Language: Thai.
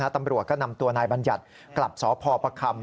ตำรวจก็นำตัวนายบัญญัติกลับสพประคำ